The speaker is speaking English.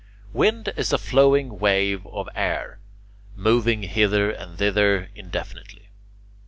Wind is a flowing wave of air, moving hither and thither indefinitely.